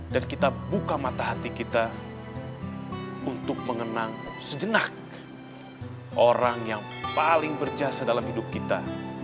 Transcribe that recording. dan kita buka mata hati kita untuk mengenang sejenak orang yang paling berjasa dalam hidup kita